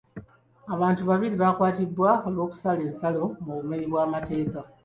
Abantu babiri bakwatiddwa olw'okusala ensalo mu bumenyi bw'amateeka.